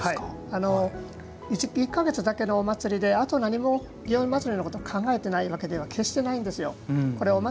１か月だけのお祭りであとは何も祇園祭のことを考えていないわけではないんですよ。